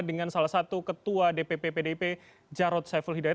dengan salah satu ketua dpp pdip jarod saiful hidayat